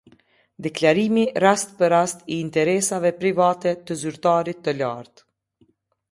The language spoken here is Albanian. Deklarimi rast për rast i interesave private te zyrtarit të lartë.